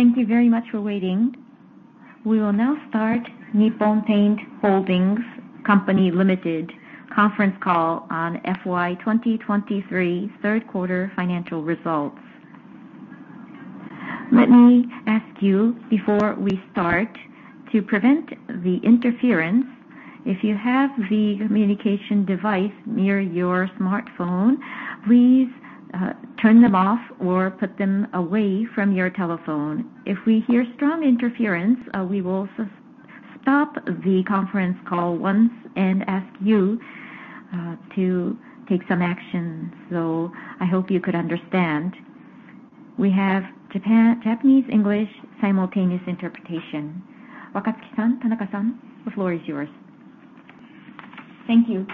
Thank you very much for waiting. We will now start Nippon Paint Holdings Co., Ltd. Conference Call on FY 2023 third quarter financial results. Let me ask you, before we start, to prevent the interference, if you have the communication device near your smartphone, please, turn them off or put them away from your telephone. If we hear strong interference, we will stop the conference call once and ask you, to take some action. So I hope you could understand. We have Japanese, English, simultaneous interpretation. Wakatsuki-san, Tanaka-san, the floor is yours. Thank you.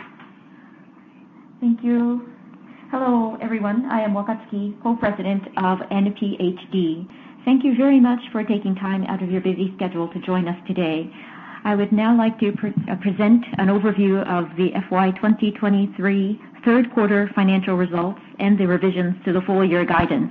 Thank you. Hello, everyone. I am Wakatsuki, Co-President of NPHD. Thank you very much for taking time out of your busy schedule to join us today. I would now like to present an overview of the FY 2023 third quarter financial results and the revisions to the full year guidance.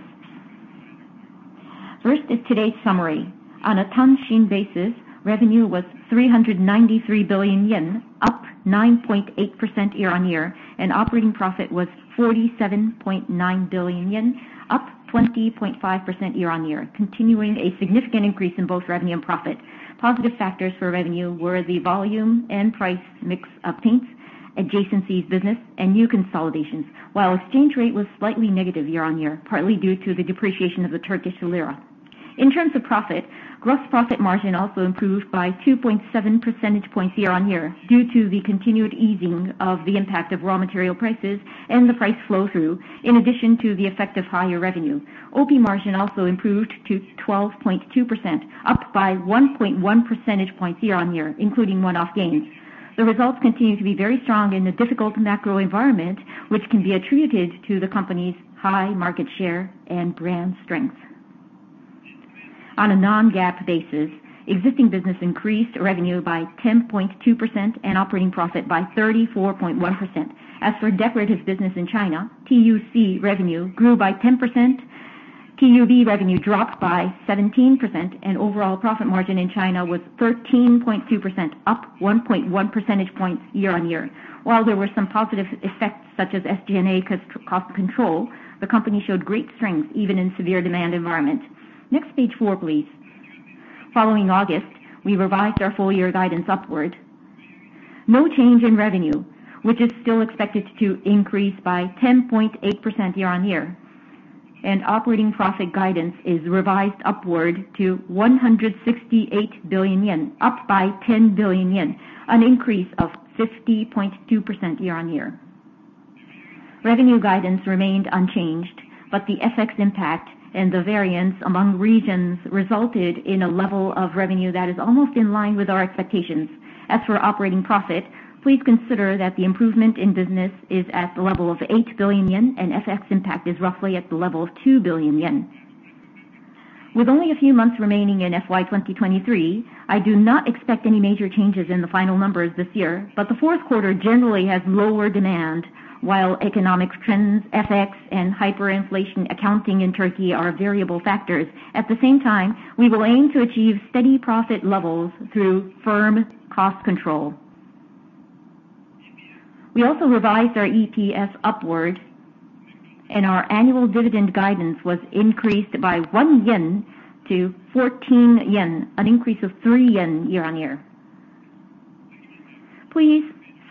First is today's summary. On a Tanshin basis, revenue was 393 billion yen, up 9.8% year-on-year, and operating profit was 47.9 billion yen, up 20.5% year-on-year, continuing a significant increase in both revenue and profit. Positive factors for revenue were the volume and price mix of paints, adjacencies business, and new consolidations, while exchange rate was slightly negative year-on-year, partly due to the depreciation of the Turkish lira. In terms of profit, gross profit margin also improved by 2.7 percentage points year-on-year, due to the continued easing of the impact of raw material prices and the price flow-through, in addition to the effect of higher revenue. OP margin also improved to 12.2%, up by 1.1 percentage points year-on-year, including one-off gains. The results continue to be very strong in a difficult macro environment, which can be attributed to the company's high market share and brand strength. On a non-GAAP basis, existing business increased revenue by 10.2% and operating profit by 34.1%. As for decorative business in China, TUC revenue grew by 10%, TUB revenue dropped by 17%, and overall profit margin in China was 13.2%, up 1.1 percentage points year-on-year. While there were some positive effects, such as SG&A cost control, the company showed great strength even in severe demand environment. Next, page four, please. Following August, we revised our full year guidance upward. No change in revenue, which is still expected to increase by 10.8% year-on-year, and operating profit guidance is revised upward to 168 billion yen, up by 10 billion yen, an increase of 50.2% year-on-year. Revenue guidance remained unchanged, but the FX impact and the variance among regions resulted in a level of revenue that is almost in line with our expectations. As for operating profit, please consider that the improvement in business is at the level of 8 billion yen, and FX impact is roughly at the level of 2 billion yen. With only a few months remaining in FY 2023, I do not expect any major changes in the final numbers this year, but the fourth quarter generally has lower demand, while economic trends, FX, and hyperinflationary accounting in Turkey are variable factors. At the same time, we will aim to achieve steady profit levels through firm cost control. We also revised our EPS upward, and our annual dividend guidance was increased by 1 yen to 14 yen, an increase of 3 yen year-on-year. Please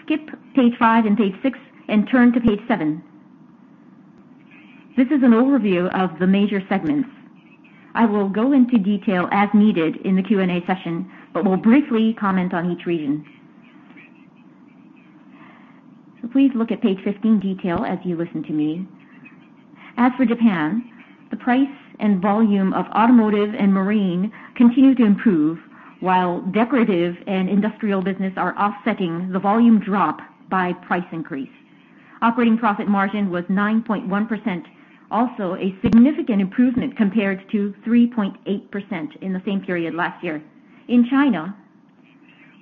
skip page five and page six and turn to page seven. This is an overview of the major segments. I will go into detail as needed in the Q&A session, but will briefly comment on each region. So please look at page 15 detail as you listen to me. As for Japan, the price and volume of automotive and marine continue to improve, while decorative and industrial business are offsetting the volume drop by price increase. Operating profit margin was 9.1%, also a significant improvement compared to 3.8% in the same period last year. In China,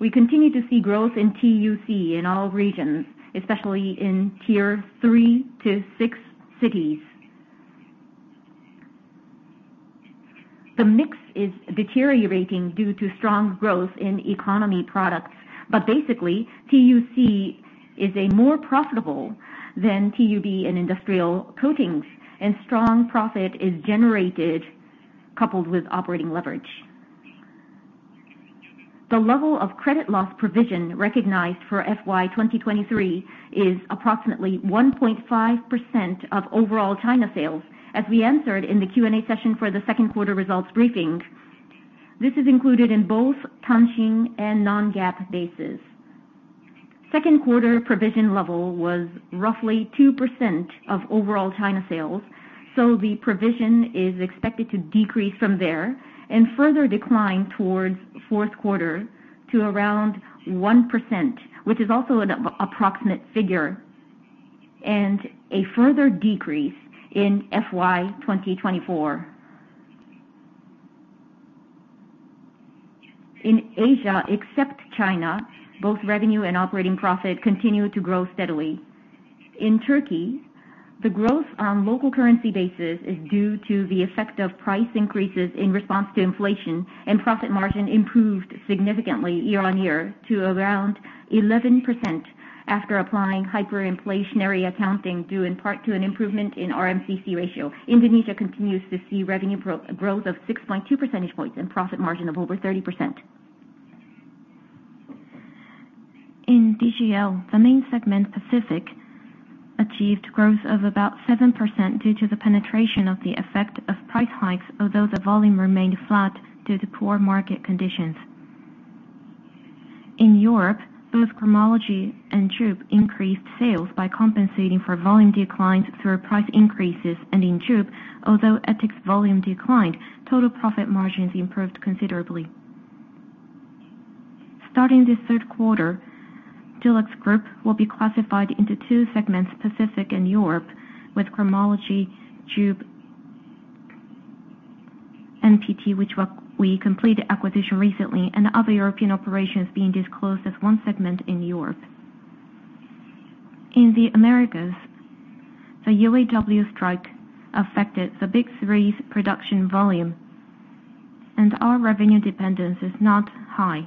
we continue to see growth in TUC in all regions, especially in tier 3-6 cities. The mix is deteriorating due to strong growth in economy products, but basically, TUC is a more profitable than TUB in industrial coatings, and strong profit is generated coupled with operating leverage. The level of credit loss provision recognized for FY 2023 is approximately 1.5% of overall China sales. As we answered in the Q&A session for the second quarter results briefing, this is included in both Tanshin and non-GAAP basis. Second quarter provision level was roughly 2% of overall China sales, so the provision is expected to decrease from there and further decline towards fourth quarter to around 1%, which is also an approximate figure, and a further decrease in FY 2024. In Asia, except China, both revenue and operating profit continued to grow steadily. In Turkey, the growth on local currency basis is due to the effect of price increases in response to inflation, and profit margin improved significantly year-on-year to around 11% after applying hyperinflationary accounting, due in part to an improvement in RMCC ratio. Indonesia continues to see revenue growth of 6.2 percentage points and profit margin of over 30%. In DGL, the main segment, Pacific, achieved growth of about 7% due to the penetration of the effect of price hikes, although the volume remained flat due to poor market conditions. In Europe, both Cromology and JUB increased sales by compensating for volume declines through price increases. In JUB, although ETICS volume declined, total profit margins improved considerably. Starting this third quarter, DuluxGroup will be classified into two segments, Pacific and Europe, with Cromology, JUB, and NPT, which we completed acquisition recently, and other European operations being disclosed as one segment in Europe. In the Americas, the UAW strike affected the Big Three's production volume, and our revenue dependence is not high.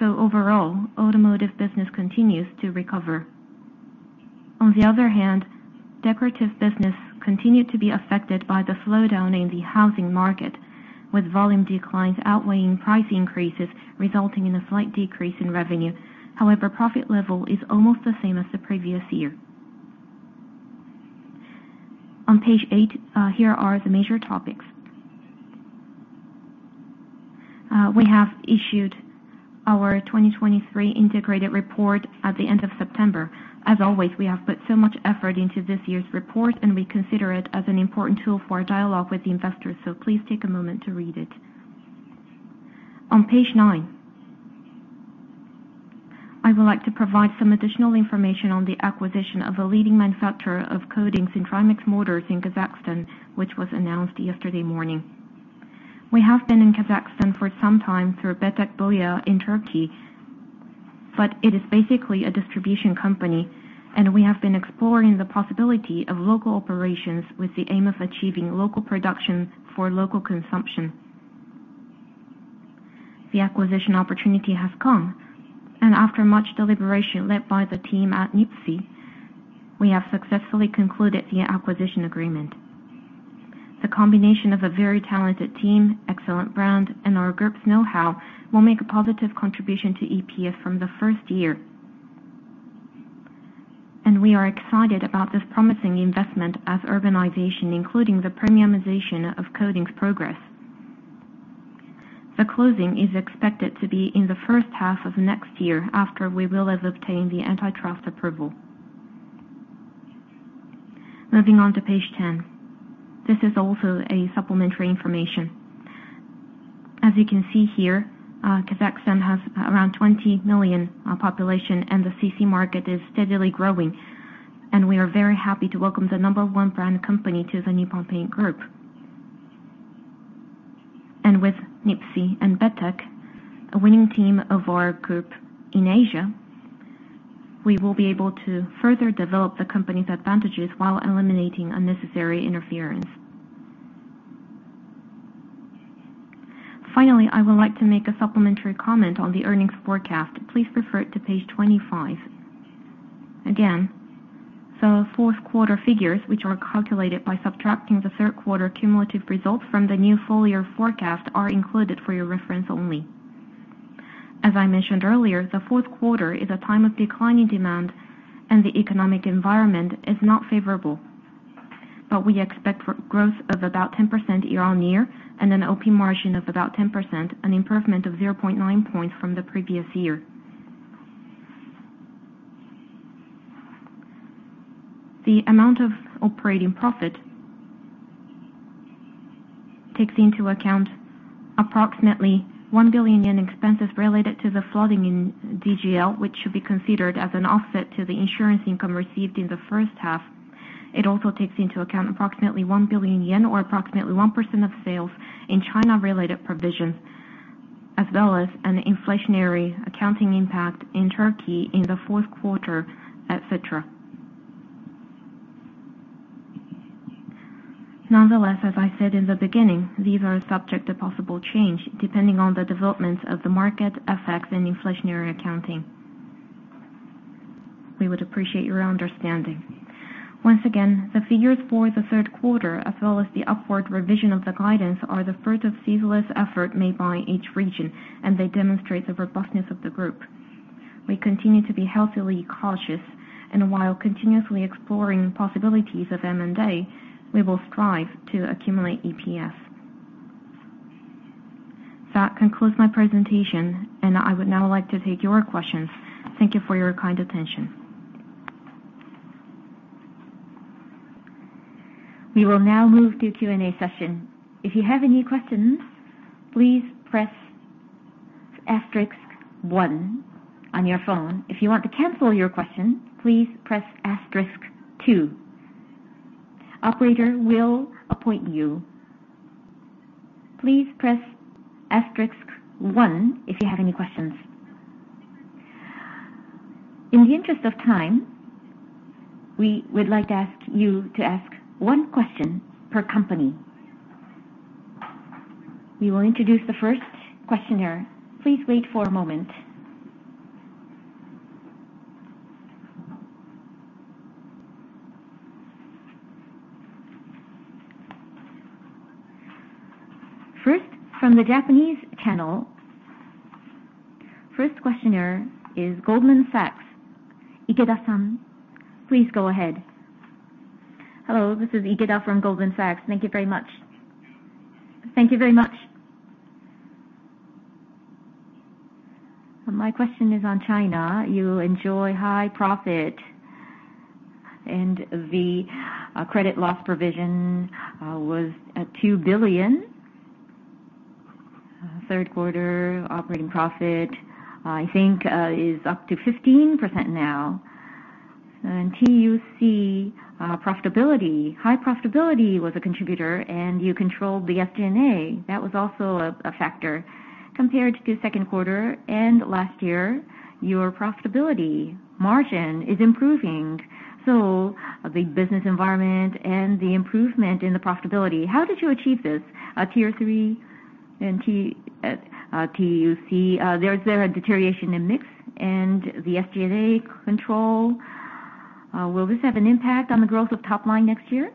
So overall, automotive business continues to recover. On the other hand, decorative business continued to be affected by the slowdown in the housing market, with volume declines outweighing price increases, resulting in a slight decrease in revenue. However, profit level is almost the same as the previous year. On page eight, here are the major topics. We have issued our 2023 integrated report at the end of September. As always, we have put so much effort into this year's report, and we consider it as an important tool for our dialogue with the investors, so please take a moment to read it. On page nine, I would like to provide some additional information on the acquisition of a leading manufacturer of coatings and dry mix mortars in Kazakhstan, which was announced yesterday morning. We have been in Kazakhstan for some time through Betek Boya in Turkey, but it is basically a distribution company, and we have been exploring the possibility of local operations with the aim of achieving local production for local consumption. The acquisition opportunity has come, and after much deliberation led by the team at NIPSEA, we have successfully concluded the acquisition agreement. The combination of a very talented team, excellent brand, and our group's know-how, will make a positive contribution to EPS from the first year. We are excited about this promising investment as urbanization, including the premiumization of coatings progress. The closing is expected to be in the first half of next year, after we will have obtained the antitrust approval. Moving on to page 10. This is also a supplementary information. As you can see here, Kazakhstan has around 20 million population, and the CC market is steadily growing, and we are very happy to welcome the number one brand company to the Nippon Paint Group. With NIPSEA and Betek, a winning team of our group in Asia, we will be able to further develop the company's advantages while eliminating unnecessary interference. Finally, I would like to make a supplementary comment on the earnings forecast. Please refer to page 25. Again, the fourth quarter figures, which are calculated by subtracting the third quarter cumulative results from the new full year forecast, are included for your reference only. As I mentioned earlier, the fourth quarter is a time of declining demand, and the economic environment is not favorable. But we expect growth of about 10% year-on-year and an OP margin of about 10%, an improvement of 0.9 points from the previous year. The amount of operating profit takes into account approximately 1 billion yen expenses related to the flooding in DGL, which should be considered as an offset to the insurance income received in the first half. It also takes into account approximately 1 billion yen or approximately 1% of sales in China-related provisions, as well as an inflationary accounting impact in Turkey in the fourth quarter, etc. Nonetheless, as I said in the beginning, these are subject to possible change, depending on the developments of the market effects and inflationary accounting. We would appreciate your understanding. Once again, the figures for the third quarter, as well as the upward revision of the guidance, are the fruit of ceaseless effort made by each region, and they demonstrate the robustness of the group. We continue to be healthily cautious, and while continuously exploring possibilities of M&A, we will strive to accumulate EPS. That concludes my presentation, and I would now like to take your questions. Thank you for your kind attention. We will now move to Q&A session. If you have any questions, please press asterisk one on your phone. If you want to cancel your question, please press asterisk two. Operator will appoint you. Please press asterisk one if you have any questions. In the interest of time, we would like to ask you to ask one question per company. We will introduce the first questioner. Please wait for a moment. First, from the Japanese panel, first questioner is Goldman Sachs. Ikeda-san, please go ahead. Hello, this is Ikeda from Goldman Sachs. Thank you very much. Thank you very much. My question is on China. You enjoy high profit, and the credit loss provision was at 2 billion. Third quarter operating profit, I think, is up to 15% now. And TUC profitability, high profitability was a contributor, and you controlled the SG&A. That was also a factor. Compared to the second quarter and last year, your profitability margin is improving. So the business environment and the improvement in the profitability, how did you achieve this? Tier 3 and TUC, there's a deterioration in mix and the SG&A control. Will this have an impact on the growth of top line next year?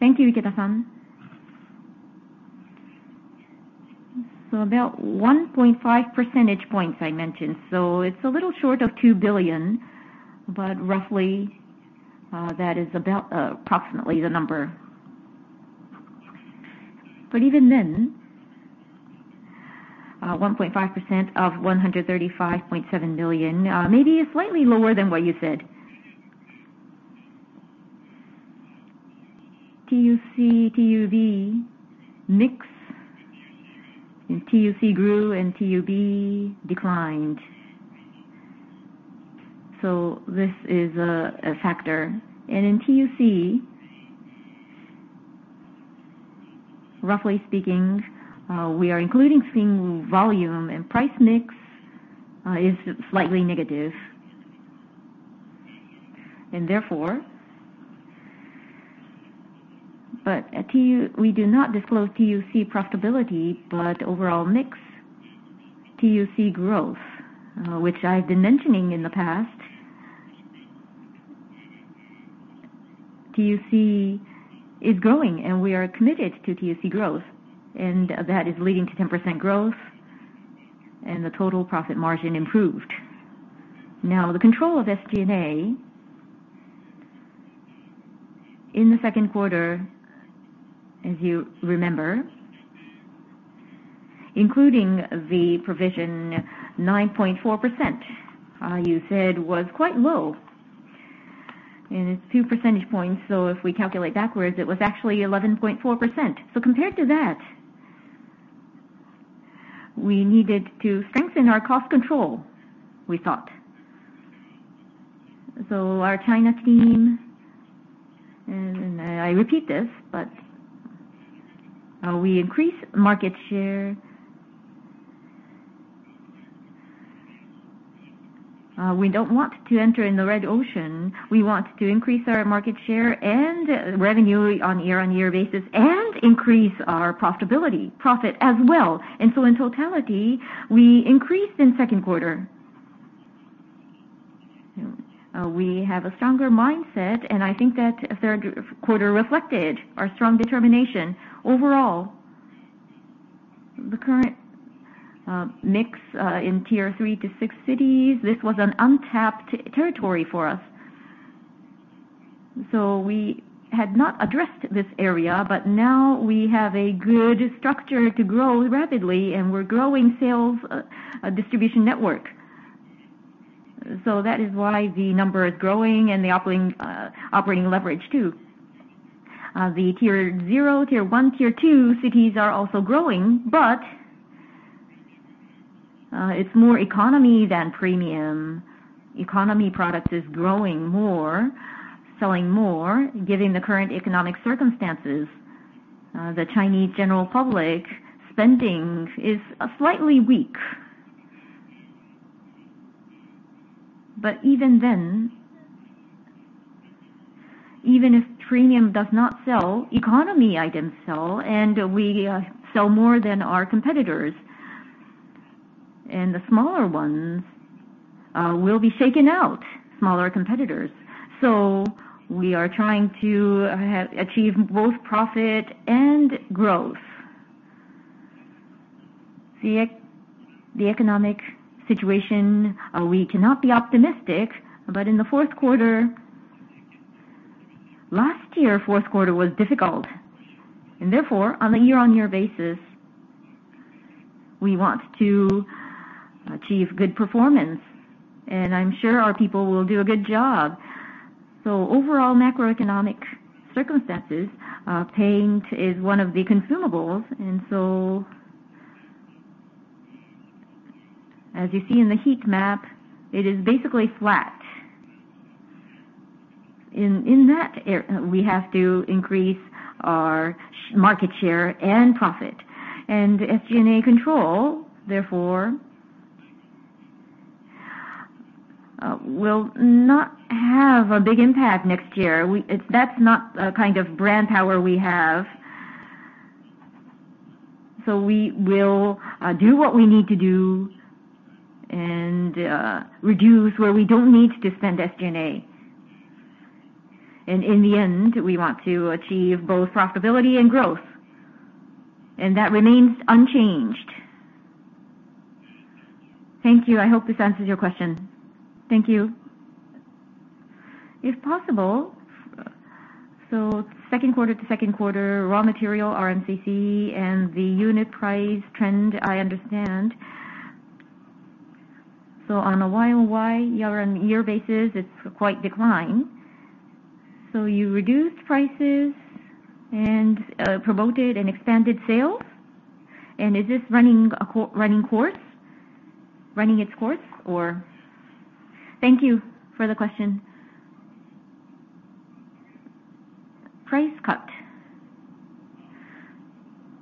Thank you, Ikeda-san. So about 1.5 percentage points I mentioned, so it's a little short of 2 billion, but roughly, that is about, approximately the number. But even then, 1.5% of 135.7 billion, maybe is slightly lower than what you said. TUC, TUB, mix, and TUC grew and TUB declined. So this is a factor. And in TUC, roughly speaking, we are including seeing volume and price mix, is slightly negative. Therefore, but at TUC we do not disclose TUC profitability, but overall mix, TUC growth, which I've been mentioning in the past, TUC is growing, and we are committed to TUC growth, and that is leading to 10% growth, and the total profit margin improved. Now, the control of SG&A in the second quarter, as you remember, including the provision, 9.4%, you said was quite low, and it's two percentage points, so if we calculate backwards, it was actually 11.4%. So compared to that, we needed to strengthen our cost control, we thought. So our China team, and I repeat this, but we increase market share. We don't want to enter in the Red Ocean. We want to increase our market share and revenue on a year-on-year basis and increase our profitability, profit as well. In totality, we increased in second quarter. We have a stronger mindset, and I think that third quarter reflected our strong determination. Overall, the current mix in tier 3-6 cities, this was an untapped territory for us. So we had not addressed this area, but now we have a good structure to grow rapidly, and we're growing sales, distribution network. So that is why the number is growing and the operating, operating leverage too. The tier 0, tier 1, tier 2 cities are also growing, but, it's more economy than premium. Economy products is growing more, selling more, giving the current economic circumstances. The Chinese general public spending is, slightly weak. But even then, even if premium does not sell, economy items sell, and we sell more than our competitors. The smaller ones will be shaken out, smaller competitors. So we are trying to achieve both profit and growth. The economic situation, we cannot be optimistic, but in the fourth quarter. Last year, fourth quarter was difficult, and therefore, on a year-on-year basis, we want to achieve good performance, and I'm sure our people will do a good job. So overall macroeconomic circumstances, paint is one of the consumables, and so as you see in the heat map, it is basically flat. In that area, we have to increase our market share and profit. And SG&A control, therefore, will not have a big impact next year. It's, that's not a kind of brand power we have. So we will do what we need to do and reduce where we don't need to spend SG&A. In the end, we want to achieve both profitability and growth, and that remains unchanged. Thank you. I hope this answers your question. Thank you. If possible, second quarter to second quarter, raw material, RMCC, and the unit price trend, I understand. So on a YoY, year-on-year basis, it's quite a decline. So you reduced prices and promoted and expanded sales? And is this running its course, or? Thank you for the question. Price cut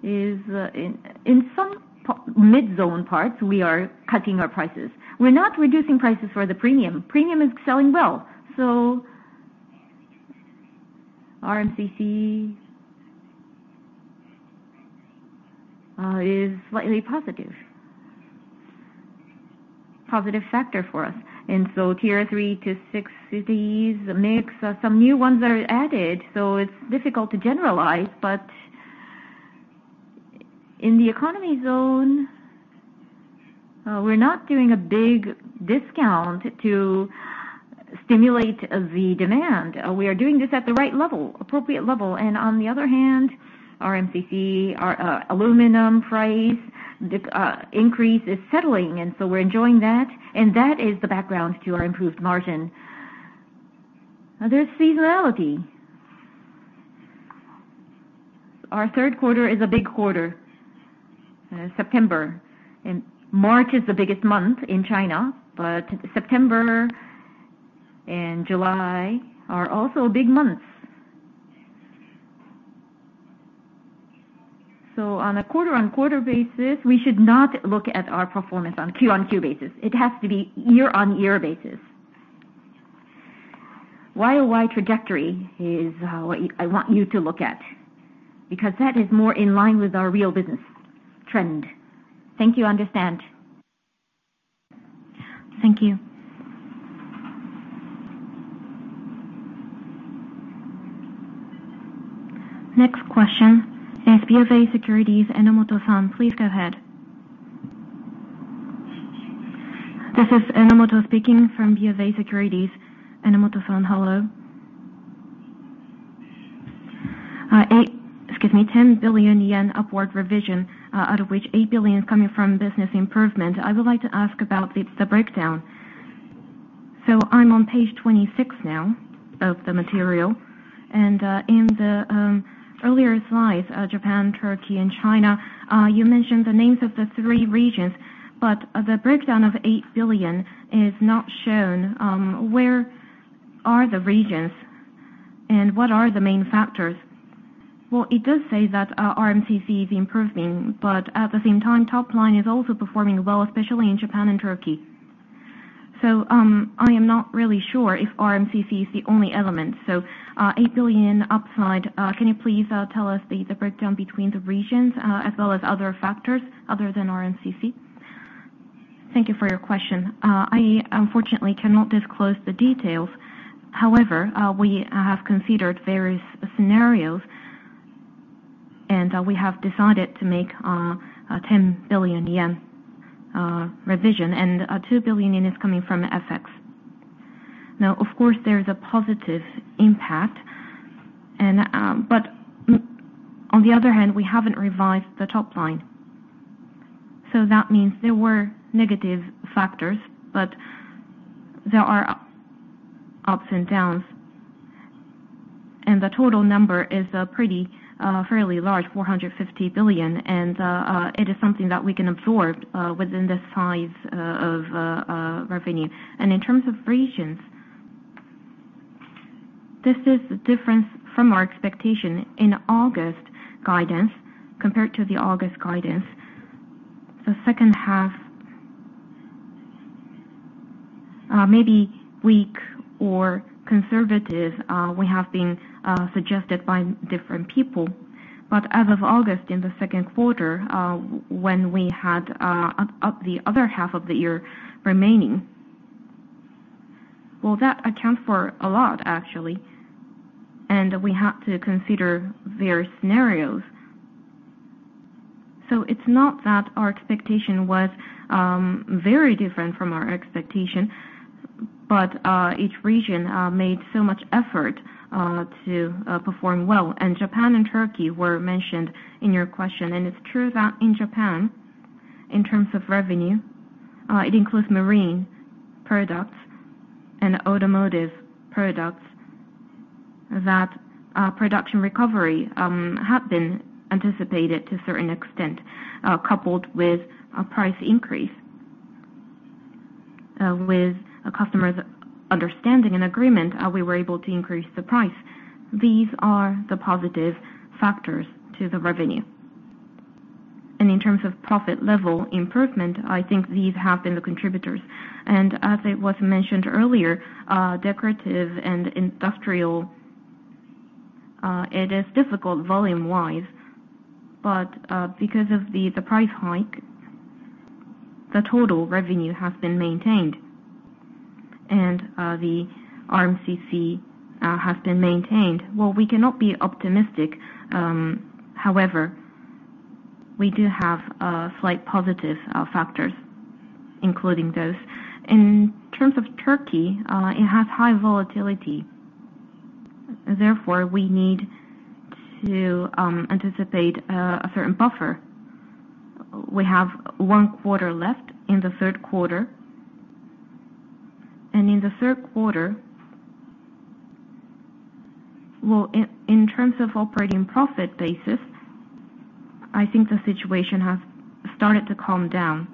is in some mid-zone parts, we are cutting our prices. We're not reducing prices for the premium. Premium is selling well. So RMCC is slightly positive, positive factor for us. And so tier 3-6 cities, the mix, some new ones are added, so it's difficult to generalize. But in the economy zone, we're not doing a big discount to stimulate the demand. We are doing this at the right level, appropriate level. And on the other hand, RMCC, our, aluminum price decrease is settling, and so we're enjoying that. And that is the background to our improved margin. There's seasonality. Our third quarter is a big quarter, September. And March is the biggest month in China, but September and July are also big months. So on a quarter-on-quarter basis, we should not look at our performance on Q-on-Q basis. It has to be year-on-year basis. Y-on-Y trajectory is, what I want you to look at, because that is more in line with our real business trend. Thank you, understand. Thank you. Next question is BofA Securities, Enomoto-san. Please go ahead. This is Enomoto speaking from BofA Securities. Enomoto-san, hello. 8, excuse me, 10 billion yen upward revision, out of which 8 billion is coming from business improvement. I would like to ask about the breakdown. So I'm on page 26 now of the material, and in the earlier slides, Japan, Turkey, and China, you mentioned the names of the three regions, but the breakdown of 8 billion is not shown. Where are the regions, and what are the main factors? Well, it does say that RMCC is improving, but at the same time, top line is also performing well, especially in Japan and Turkey. So, I am not really sure if RMCC is the only element. So, 8 billion upside, can you please tell us the breakdown between the regions, as well as other factors other than RMCC? Thank you for your question. I unfortunately cannot disclose the details. However, we have considered various scenarios, and we have decided to make a 10 billion yen revision, and 2 billion yen is coming from FX. Now, of course, there's a positive impact and, but on the other hand, we haven't revised the top line. So that means there were negative factors, but there are ups and downs, and the total number is a pretty fairly large 450 billion, and it is something that we can absorb within the size of revenue. And in terms of regions, this is different from our expectation. In August guidance, compared to the August guidance, the second half may be weak or conservative, we have been suggested by different people. As of August, in the second quarter, when we had the other half of the year remaining, well, that accounts for a lot, actually, and we have to consider various scenarios. It's not that our expectation was very different from our expectation, but each region made so much effort to perform well. Japan and Turkey were mentioned in your question. It's true that in Japan, in terms of revenue, it includes marine products and automotive products. That, production recovery, have been anticipated to a certain extent, coupled with a price increase. With a customer's understanding and agreement, we were able to increase the price. These are the positive factors to the revenue. And in terms of profit level improvement, I think these have been the contributors. And as it was mentioned earlier, decorative and industrial, it is difficult volume-wise, but, because of the price hike, the total revenue has been maintained and, the RMCC, has been maintained. Well, we cannot be optimistic, however, we do have, slight positive factors, including those. In terms of Turkey, it has high volatility, therefore, we need to anticipate, a certain buffer. We have one quarter left in the third quarter, and in the third quarter well, in terms of operating profit basis, I think the situation has started to calm down,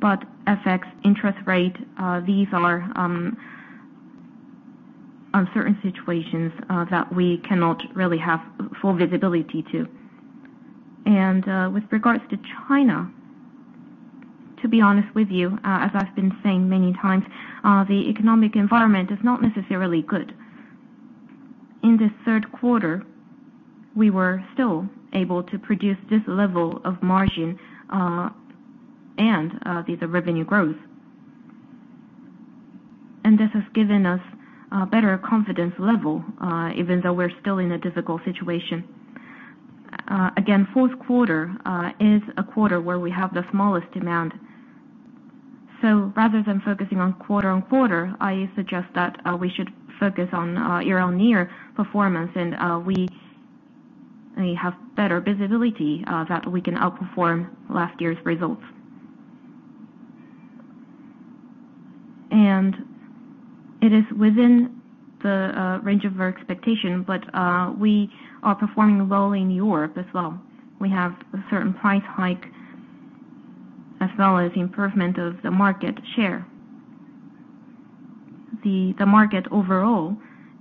but affects interest rate. These are uncertain situations that we cannot really have full visibility to. And with regards to China, to be honest with you, as I've been saying many times, the economic environment is not necessarily good. In this third quarter, we were still able to produce this level of margin and the revenue growth. And this has given us better confidence level even though we're still in a difficult situation. Again, fourth quarter is a quarter where we have the smallest demand. So rather than focusing on quarter-on-quarter, I suggest that we should focus on year-on-year performance, and we have better visibility that we can outperform last year's results. And it is within the range of our expectation, but we are performing well in Europe as well. We have a certain price hike, as well as the improvement of the market share. The market overall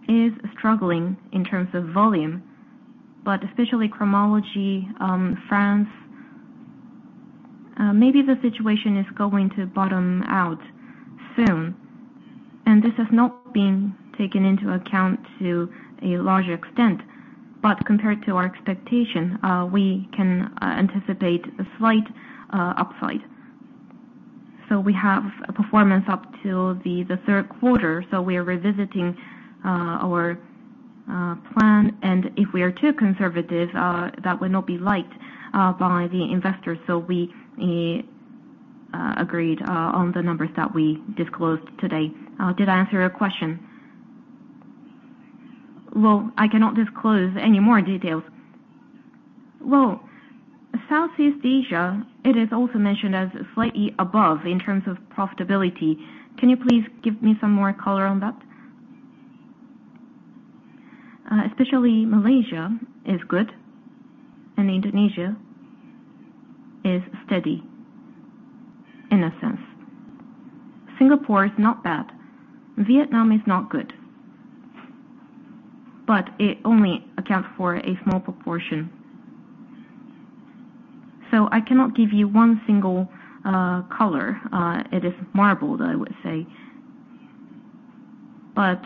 is struggling in terms of volume, but especially Cromology, France, maybe the situation is going to bottom out soon. And this has not been taken into account to a large extent, but compared to our expectation, we can anticipate a slight upside. So we have a performance up till the third quarter, so we are revisiting our plan. And if we are too conservative, that would not be liked by the investors. So we agreed on the numbers that we disclosed today. Did I answer your question? Well, I cannot disclose any more details. Well, Southeast Asia, it is also mentioned as slightly above in terms of profitability. Can you please give me some more color on that? Especially Malaysia is good and Indonesia is steady, in a sense. Singapore is not bad. Vietnam is not good, but it only accounts for a small proportion. So I cannot give you one single color. It is marbled, I would say. But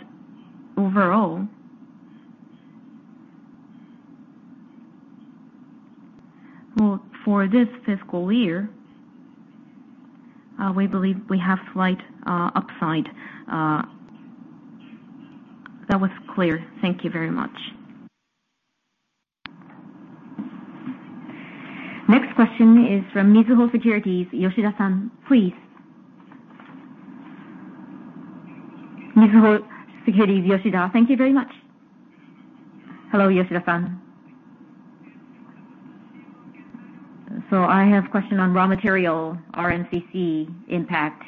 overall Well, for this fiscal year, we believe we have slight upside. That was clear. Thank you very much. Next question is from Mizuho Securities, Yoshida-san. Please. Mizuho Securities, Yoshida. Thank you very much. Hello, Yoshida-san. I have a question on raw material RMCC impact.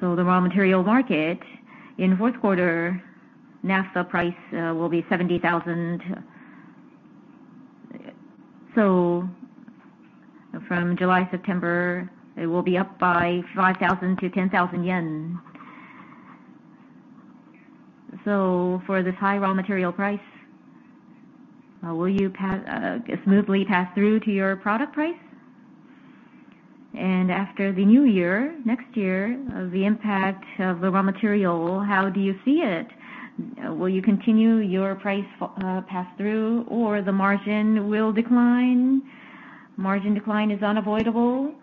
The raw material market, in fourth quarter, naphtha price will be JPY 70,000. From July to September, it will be up by 5,000-10,000 yen. For this high raw material price, will you smoothly pass through to your product price? And after the new year, next year, the impact of the raw material, how do you see it? Will you continue your price pass-through, or the margin will decline? Margin decline is unavoidable,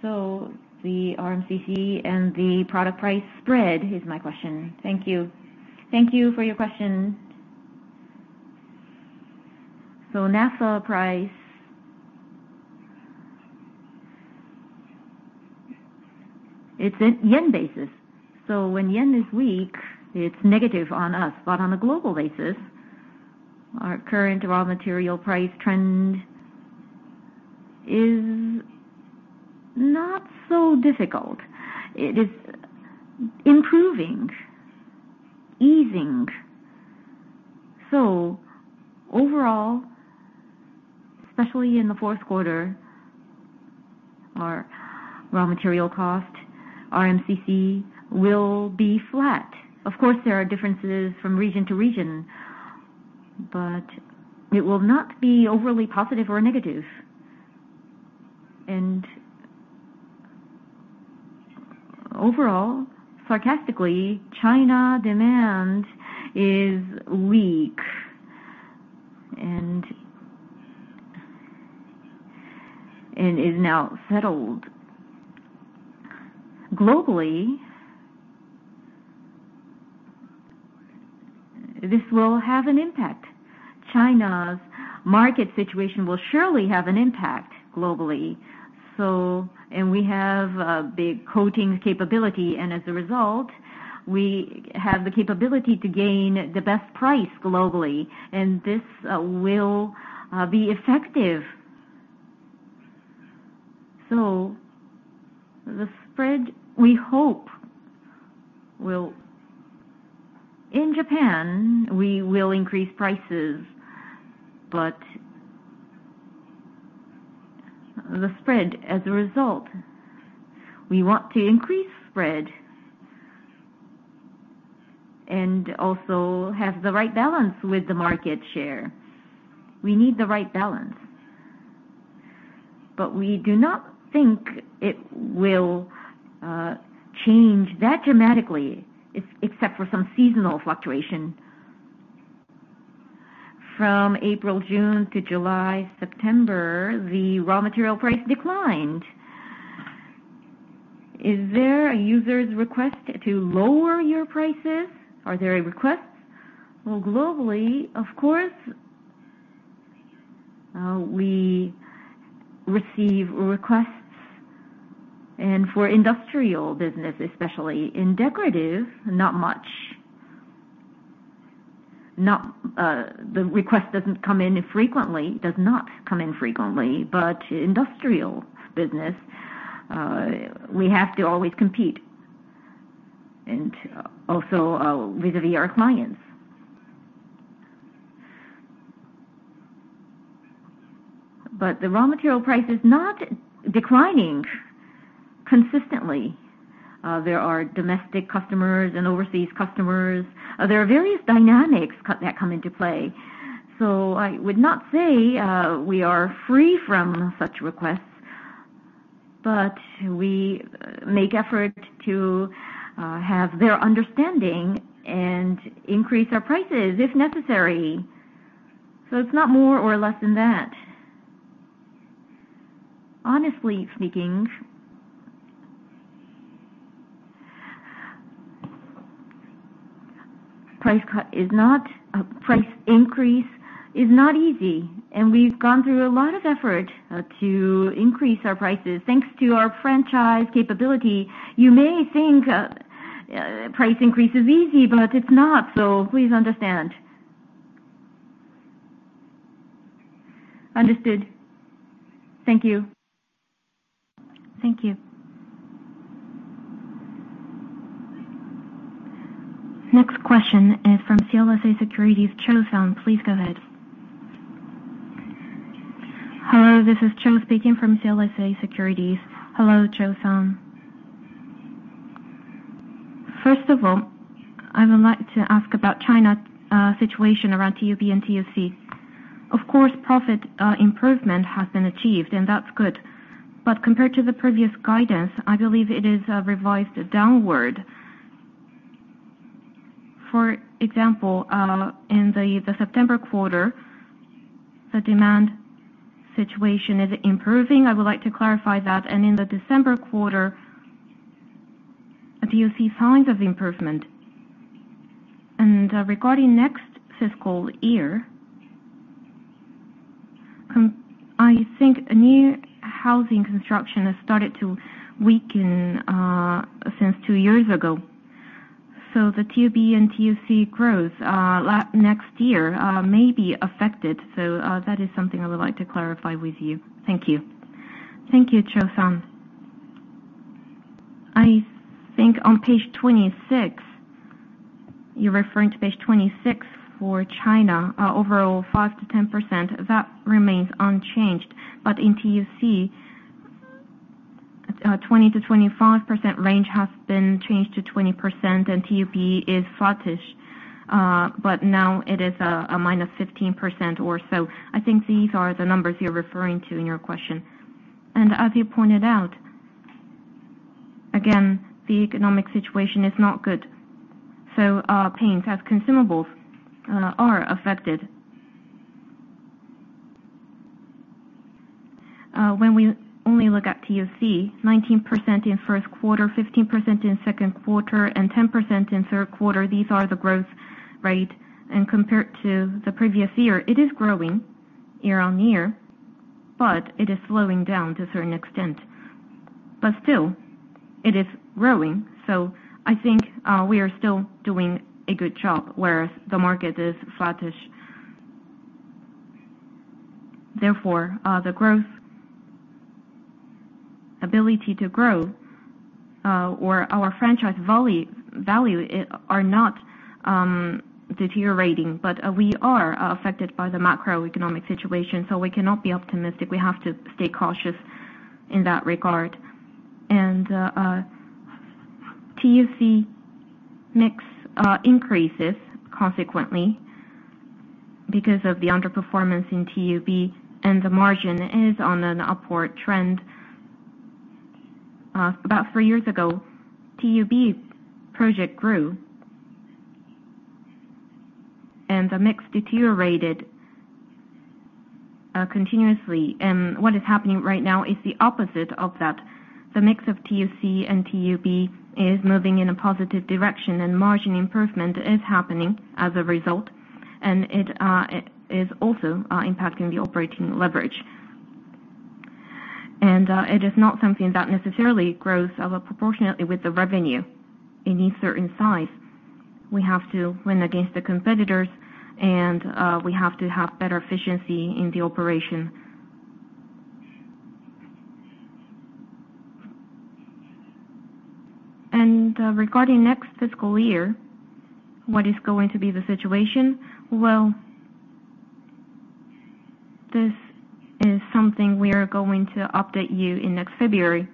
so the RMCC and the product price spread is my question. Thank you. Thank you for your question. So naphtha price... It's in Japanese yen basis. So when Japanese yen is weak, it's negative on us. But on a global basis, our current raw material price trend is not so difficult. It is improving, easing. So overall, especially in the fourth quarter, our raw material cost, our MCC, will be flat. Of course, there are differences from region to region, but it will not be overly positive or negative. And overall, sarcastically, China demand is weak and is now settled. Globally, this will have an impact. China's market situation will surely have an impact globally. So, and we have a big coating capability, and as a result, we have the capability to gain the best price globally, and this, will, be effective. So the spread, we hope, will. In Japan, we will increase prices, but the spread as a result, we want to increase spread and also have the right balance with the market share. We need the right balance, but we do not think it will change that dramatically, except for some seasonal fluctuation. From April, June to July, September, the raw material price declined. Is there a user's request to lower your prices? Are there a request? Well, globally, of course, we receive requests, and for industrial business, especially. In decorative, not much. Not the request doesn't come in frequently, does not come in frequently. But industrial business, we have to always compete, and also, with our clients. But the raw material price is not declining consistently. There are domestic customers and overseas customers. There are various dynamics that come into play. So I would not say, we are free from such requests, but we make effort to, have their understanding and increase our prices if necessary. So it's not more or less than that. Honestly speaking, price cut is not, price increase is not easy, and we've gone through a lot of effort to increase our prices. Thanks to our franchise capability, you may think price increase is easy, but it's not, so please understand. Understood. Thank you. Thank you. Next question is from CLSA Securities, Cho Sung. Please go ahead. Hello, this is Cho speaking from CLSA Securities. Hello, Cho Sung. First of all, I would like to ask about China situation around TUB and TUC. Of course, profit improvement has been achieved, and that's good. But compared to the previous guidance, I believe it is revised downward. For example, in the September quarter, the demand situation is improving. I would like to clarify that, and in the December quarter, do you see signs of improvement? And regarding next fiscal year, I think new housing construction has started to weaken since two years ago. So the TUB and TUC growth next year may be affected. So that is something I would like to clarify with you. Thank you. Thank you, Cho Sung. I think on page 26, you're referring to page 26 for China. Overall, 5%-10%, that remains unchanged. But in TUC, 20%-25% range has been changed to 20%, and TUB is flattish, but now it is a -15% or so. I think these are the numbers you're referring to in your question. And as you pointed out, again, the economic situation is not good, so our paints as consumables are affected. When we only look at TUC, 19% in first quarter, 15% in second quarter, and 10% in third quarter, these are the growth rate. And compared to the previous year, it is growing year-over-year, but it is slowing down to a certain extent. But still, it is growing. So I think we are still doing a good job, whereas the market is flattish. Therefore, the growth, ability to grow, or our franchise value are not deteriorating, but we are affected by the macroeconomic situation, so we cannot be optimistic. We have to stay cautious in that regard. And TUC mix increases consequently because of the underperformance in TUB, and the margin is on an upward trend. About four years ago, TUB project grew, and the mix deteriorated continuously. And what is happening right now is the opposite of that. The mix of TUC and TUB is moving in a positive direction, and margin improvement is happening as a result, and it is also impacting the operating leverage. It is not something that necessarily grows proportionately with the revenue. It needs certain size. We have to win against the competitors, and we have to have better efficiency in the operation. Regarding next fiscal year, what is going to be the situation? Well, this is something we are going to update you in next February.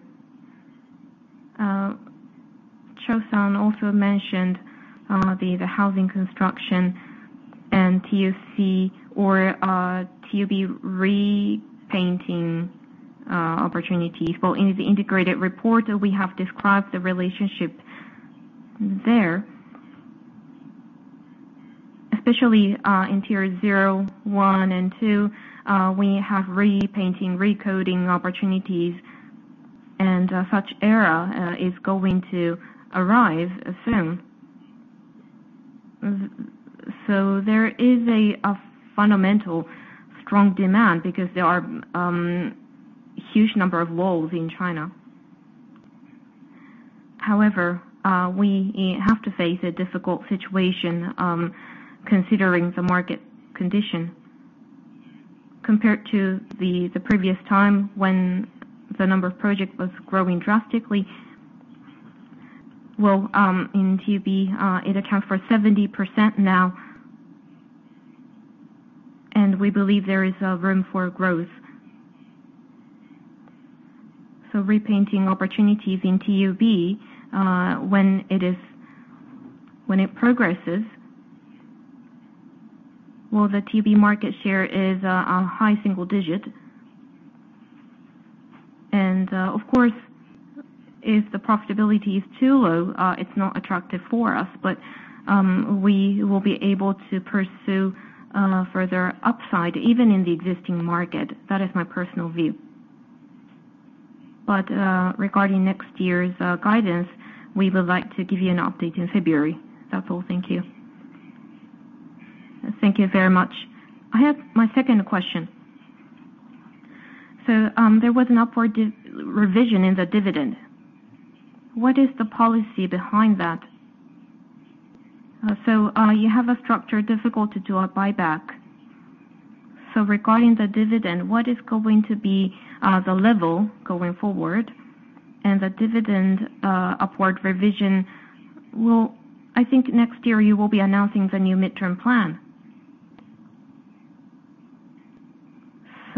Cho-san also mentioned the housing construction and TUC or TUB repainting opportunities. Well, in the integrated report, we have described the relationship there. Especially, in tier 0, 1, and 2, we have repainting, recoating opportunities, and such era is going to arrive soon. So there is a fundamental strong demand because there are huge number of walls in China. However, we have to face a difficult situation considering the market condition. Compared to the previous time when the number of project was growing drastically, well, in TUB, it accounts for 70% now, and we believe there is room for growth. So repainting opportunities in TUB, when it progresses, well, the TUB market share is a high single digit. And, of course, if the profitability is too low, it's not attractive for us, but, we will be able to pursue further upside, even in the existing market. That is my personal view. But, regarding next year's guidance, we would like to give you an update in February. That's all. Thank you. Thank you very much. I have my second question. So, there was an upward revision in the dividend. What is the policy behind that? So, you have a structure difficult to do a buyback. So regarding the dividend, what is going to be the level going forward, and the dividend upward revision? Well, I think next year you will be announcing the new midterm plan.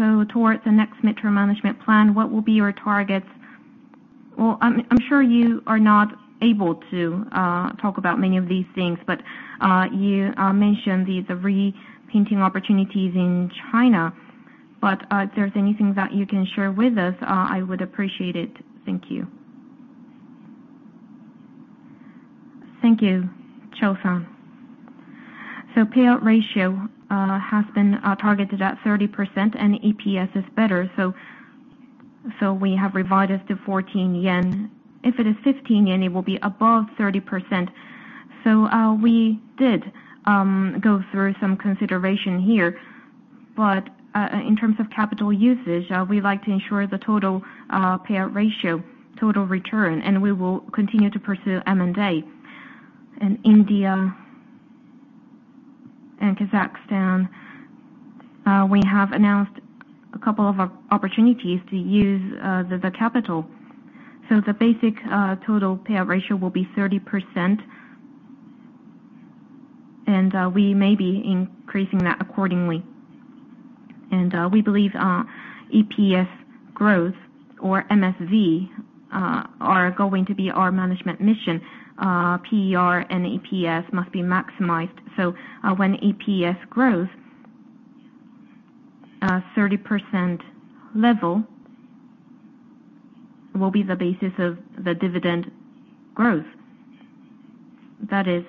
So towards the next midterm management plan, what will be your targets? Well, I'm sure you are not able to talk about many of these things, but you mentioned the repainting opportunities in China. But if there's anything that you can share with us, I would appreciate it. Thank you. Thank you, Cho-san. So payout ratio has been targeted at 30%, and EPS is better, so we have revised it to 14 yen. If it is 15 yen, it will be above 30%. So, we did go through some consideration here, but in terms of capital usage, we like to ensure the total payout ratio, total return, and we will continue to pursue M&A. In India and Kazakhstan, we have announced a couple of opportunities to use the capital. So the basic total payout ratio will be 30%, and we may be increasing that accordingly. And we believe EPS growth or MSV are going to be our management mission. PER and EPS must be maximized. So, when EPS grows, 30% level will be the basis of the dividend growth. That is,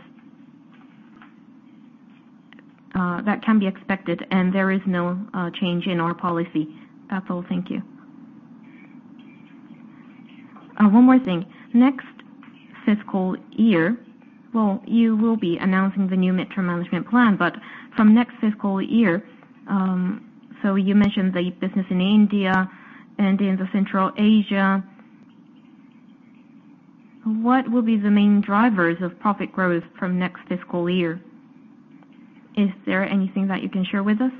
that can be expected, and there is no change in our policy. That's all. Thank you. One more thing. Next fiscal year, well, you will be announcing the new midterm management plan, but from next fiscal year, so you mentioned the business in India and in Central Asia. What will be the main drivers of profit growth from next fiscal year? Is there anything that you can share with us?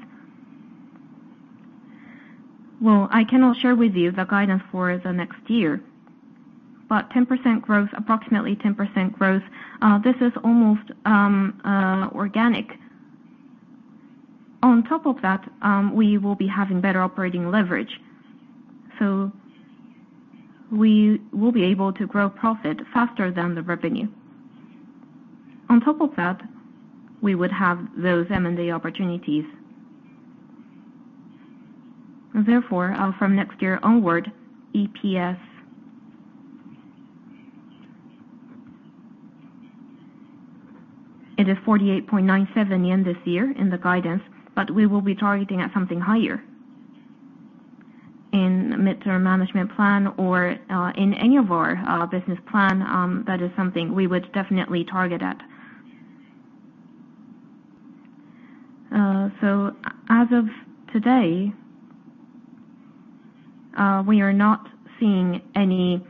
Well, I cannot share with you the guidance for the next year, but 10% growth, approximately 10% growth, this is almost, organic. On top of that, we will be having better operating leverage, so we will be able to grow profit faster than the revenue. On top of that, we would have those M&A opportunities. Therefore, from next year onward, EPS, it is 48.97 yen this year in the guidance, but we will be targeting at something higher. In midterm management plan or, in any of our, business plan, that is something we would definitely target at. So as of today, we are not seeing any,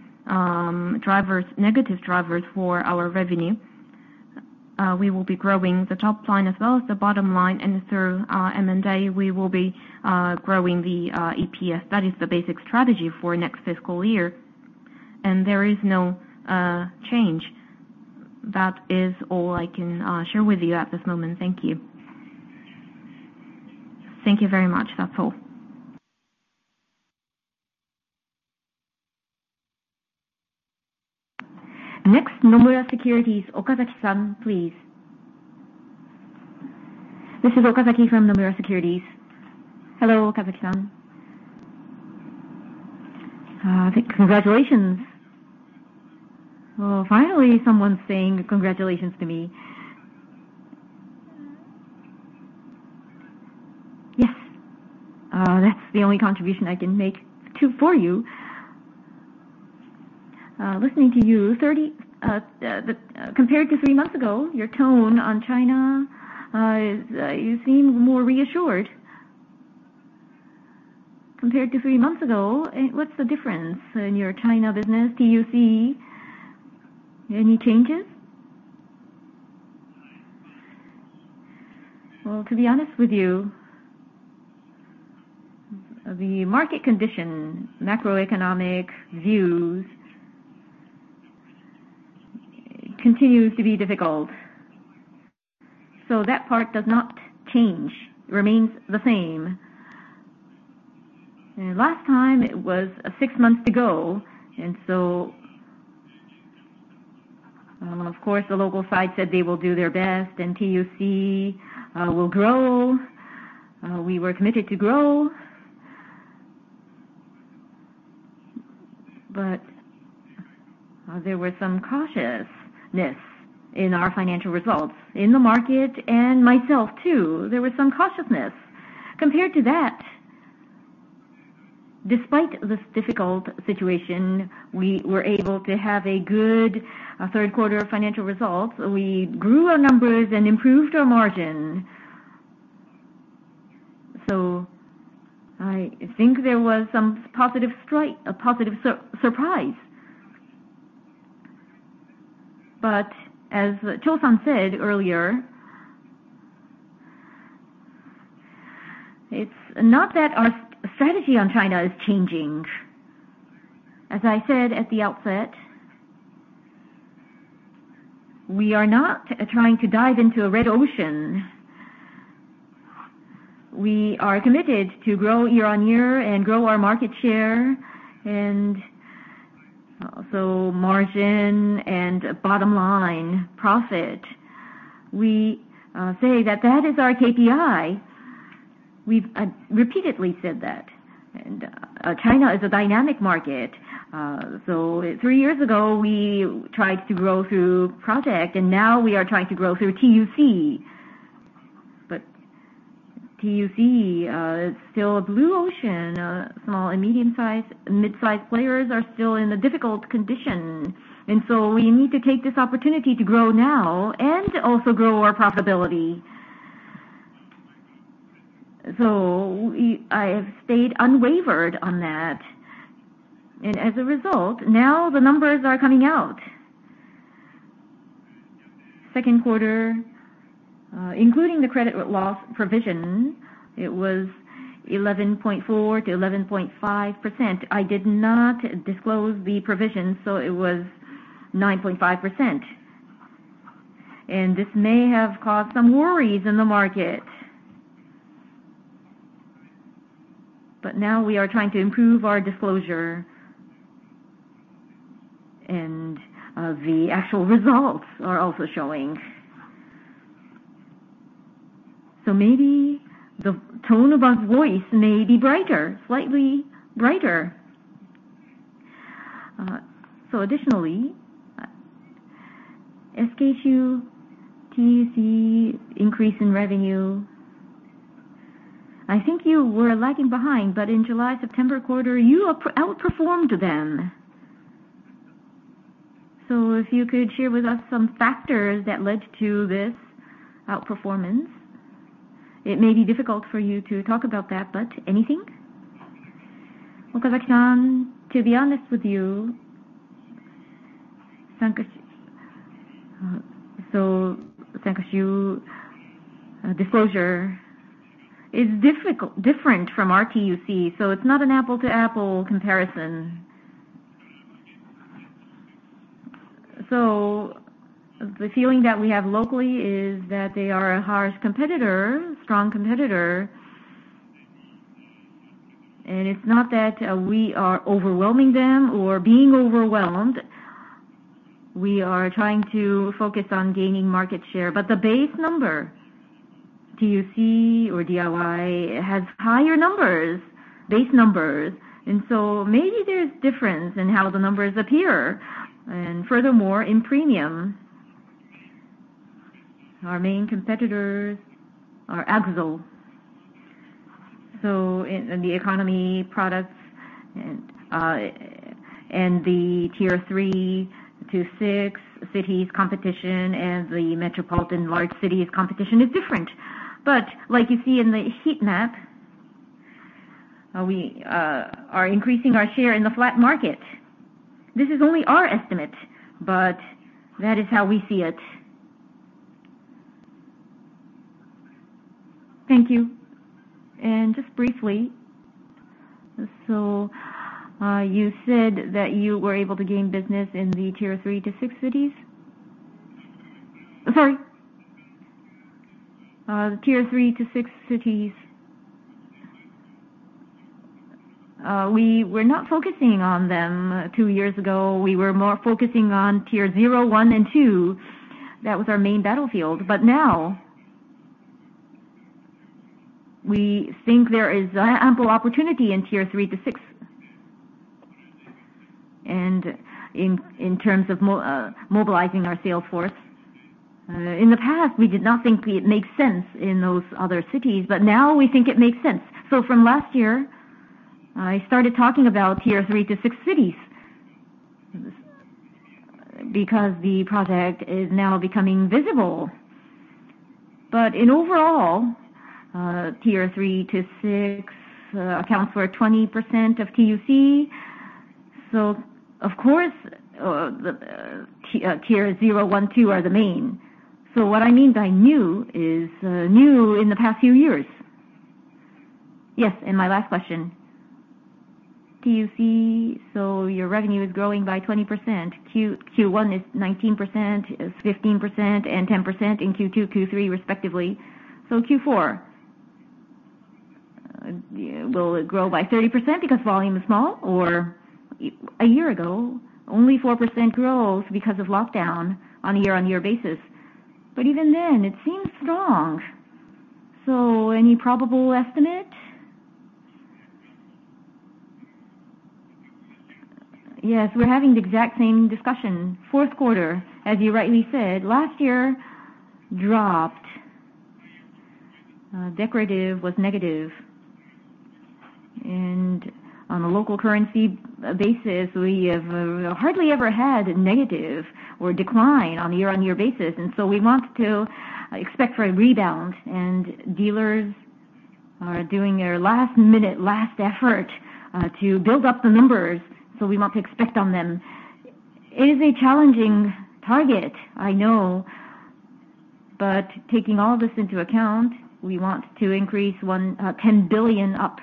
drivers, negative drivers for our revenue. We will be growing the top line as well as the bottom line, and through M&A, we will be growing the EPS. That is the basic strategy for next fiscal year, and there is no change. That is all I can share with you at this moment. Thank you. Thank you very much. That's all. Next, Nomura Securities, Okazaki-san, please. This is Okazaki from Nomura Securities. Hello, Okazaki-san. Congratulations! Well, finally, someone saying congratulations to me. Yes. That's the only contribution I can make to, for you. Listening to you, compared to three months ago, your tone on China is, you seem more reassured. Compared to three months ago, what's the difference in your China business? Do you see any changes? Well, to be honest with you, the market condition, macroeconomic views continues to be difficult. So that part does not change, remains the same. And last time it was six months ago, and so, of course, the local site said they will do their best and TUC will grow. We were committed to grow, but there was some cautiousness in our financial results. In the market and myself, too, there was some cautiousness. Compared to that, despite this difficult situation, we were able to have a good third quarter of financial results. We grew our numbers and improved our margin. So I think there was some positive surprise. But as Cho-san said earlier, it's not that our strategy on China is changing. As I said at the outset, we are not trying to dive into a red ocean. We are committed to grow year on year and grow our market share, and also margin and bottom line profit. We say that that is our KPI. We've repeatedly said that, and China is a dynamic market. So three years ago, we tried to grow through project, and now we are trying to grow through TUC. But TUC is still a blue ocean. Small and medium-sized, mid-sized players are still in a difficult condition, and so we need to take this opportunity to grow now and also grow our profitability. So we, I have stayed unwavering on that, and as a result, now the numbers are coming out. Second quarter, including the credit loss provision, it was 11.4%-11.5%. I did not disclose the provision, so it was 9.5%, and this may have caused some worries in the market. But now we are trying to improve our disclosure, and the actual results are also showing. So maybe the tone of our voice may be brighter, slightly brighter. So additionally, SKU, TUC increase in revenue, I think you were lagging behind, but in July, September quarter, you outperformed them. So if you could share with us some factors that led to this outperformance. It may be difficult for you to talk about that, but anything? Okazaki-san, to be honest with you, so Sankeshu, disclosure is difficult, different from our TUC, so it's not an apple to apple comparison. So the feeling that we have locally is that they are a harsh competitor, strong competitor. And it's not that we are overwhelming them or being overwhelmed. We are trying to focus on gaining market share. But the base number, TUC or DIY, has higher numbers, base numbers, and so maybe there's difference in how the numbers appear. And furthermore, in premium, our main competitors are Akzo. So in the economy products and the tier three to six cities competition and the metropolitan large cities competition is different. But like you see in the heat map, we are increasing our share in the flat market. This is only our estimate, but that is how we see it. Thank you. And just briefly, so, you said that you were able to gain business in the tier 3-6 cities? Sorry. Tier 3-6 cities. We were not focusing on them 2 years ago. We were more focusing on tier 0, 1, and 2. That was our main battlefield. But now, we think there is ample opportunity in tier 3-6. And in terms of mobilizing our sales force, in the past, we did not think it makes sense in those other cities, but now we think it makes sense. So from last year, I started talking about tier 3 to 6 cities, because the project is now becoming visible. But overall, tier 3 to 6 accounts for 20% of TUC. So of course, the tier 0, 1, 2 are the main. So what I mean by new is new in the past few years. Yes, and my last question: TUC, so your revenue is growing by 20%. Q1 is 19%, is 15%, and 10% in Q2, Q3, respectively. So Q4, will it grow by 30% because volume is small? Or a year ago, only 4% growth because of lockdown on a year-over-year basis. But even then, it seems strong. So any probable estimate? Yes, we're having the exact same discussion. Fourth quarter, as you rightly said, last year dropped. Decorative was negative. And on a local currency basis, we have hardly ever had a negative or decline on a year-on-year basis, and so we want to expect for a rebound, and dealers are doing their last minute, last effort to build up the numbers, so we want to expect on them. It is a challenging target, I know, but taking all this into account, we want to increase 10 billion up.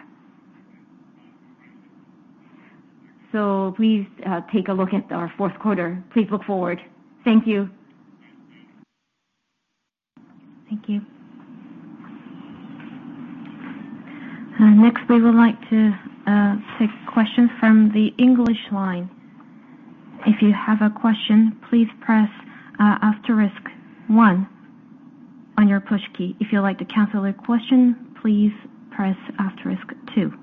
So please take a look at our fourth quarter. Please look forward. Thank you. Thank you. Next, we would like to take questions from the English line. If you have a question, please press asterisk one on your push key. If you'd like to cancel a question, please press asterisk two.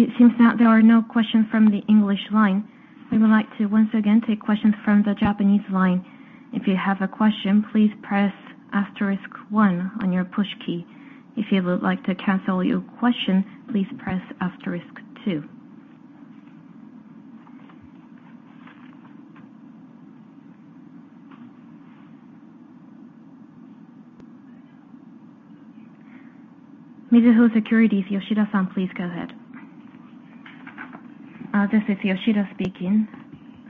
It seems that there are no questions from the English line. We would like to once again take questions from the Japanese line. If you have a question, please press asterisk one on your push key. If you would like to cancel your question, please press asterisk two. Mizuho Securities, Yoshida-san, please go ahead. This is Yoshida speaking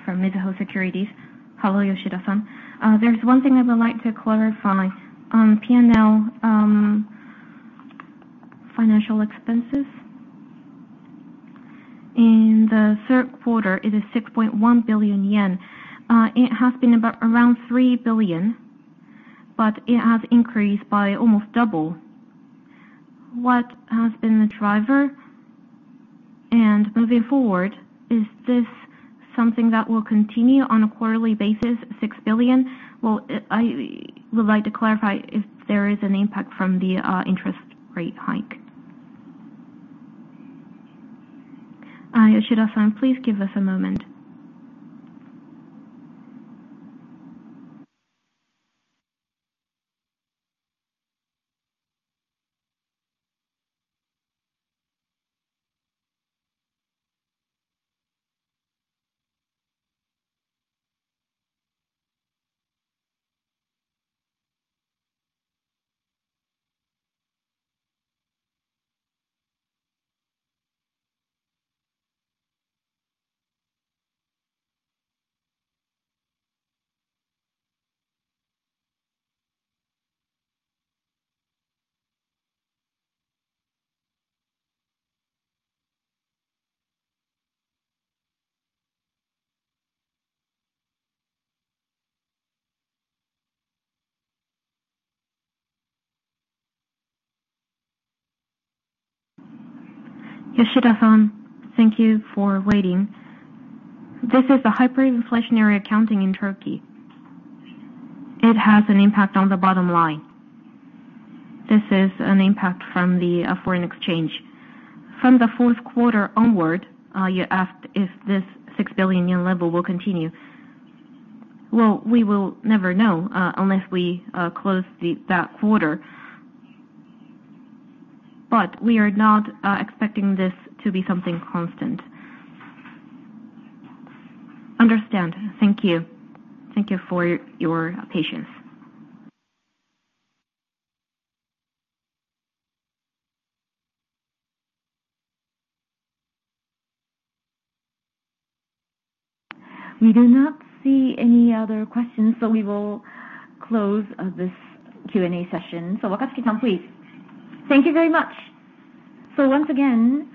from Mizuho Securities. Hello, Yoshida-san. There's one thing I would like to clarify. On P&L, financial expenses, in the third quarter, it is 6.1 billion yen. It has been about around 3 billion, but it has increased by almost double. What has been the driver? And moving forward, is this something that will continue on a quarterly basis, 6 billion? I would like to clarify if there is an impact from the interest rate hike. Yoshida-san, please give us a moment. Yoshida-san, thank you for waiting. This is the hyperinflationary accounting in Turkey. It has an impact on the bottom line. This is an impact from the foreign exchange. From the fourth quarter onward, you asked if this 6 billion yen level will continue. Well, we will never know unless we close that quarter, but we are not expecting this to be something constant. Understand. Thank you. Thank you for your patience. We do not see any other questions, so we will close this Q&A session. So Wakatsuki-san, please. Thank you very much. So once again,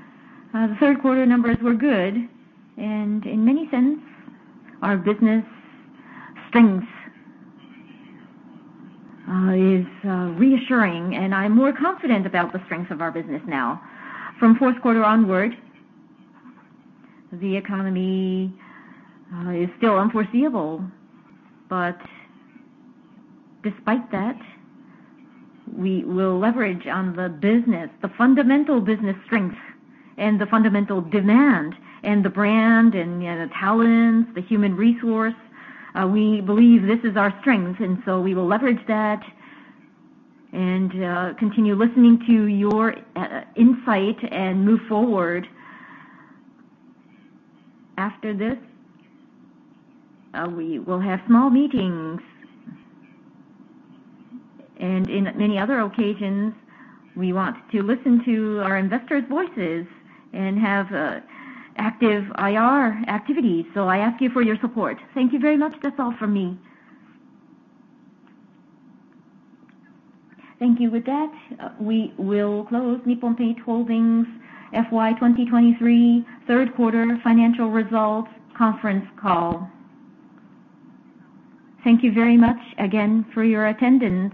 the third quarter numbers were good, and in many sense, our business strength is reassuring, and I'm more confident about the strength of our business now. From fourth quarter onward, the economy is still unforeseeable, but despite that, we will leverage on the business, the fundamental business strength and the fundamental demand, and the brand and, you know, the talents, the human resource. We believe this is our strength, and so we will leverage that and continue listening to your insight and move forward. After this, we will have small meetings, and in many other occasions, we want to listen to our investors' voices and have active IR activities, so I ask you for your support. Thank you very much. That's all from me. Thank you. With that, we will close Nippon Paint Holdings FY 2023 Third Quarter Financial Results Conference Call. Thank you very much again for your attendance,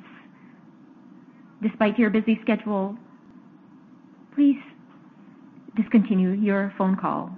despite your busy schedule. Please discontinue your phone call.